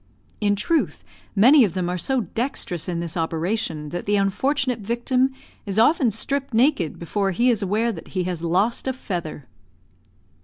In truth, many of them are so dexterous in this operation that the unfortunate victim is often stripped naked before he is aware that he has lost a feather.